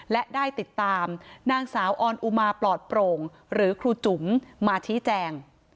และได้ติดตามนางสาวออนอุมาปลอดโปร่งหรือครูจุ๋มมาชี้แจง